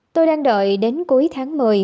tôi đang đợi đến cuối tháng một mươi